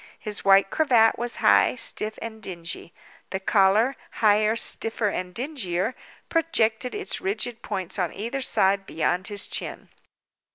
His white cravat was high, stiff, and dingy; the collar, higher, stiffer, and dingier, projected its rigid points on either side beyond his chin.